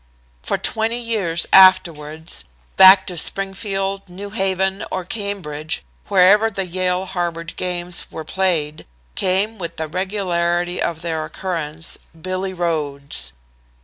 "For twenty years afterwards, back to Springfield, New Haven or Cambridge, wherever the Yale Harvard games were played, came with the regularity of their occurrence, Billy Rhodes.